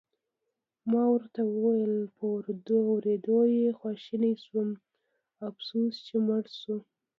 ما ورته وویل: په اورېدو یې خواشینی شوم، افسوس چې مړ شو.